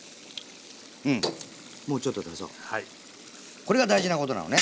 これが大事なことなのね。